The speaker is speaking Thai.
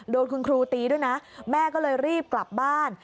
โดนคุณครูตีด้วยนะแม่ก็เลยรีบกลับบ้าน